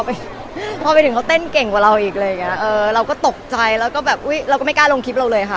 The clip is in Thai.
พอไปถึงเขาเต้นเก่งกว่าเราอีกอะไรอย่างเงี้เออเราก็ตกใจแล้วก็แบบอุ๊ยเราก็ไม่กล้าลงคลิปเราเลยค่ะ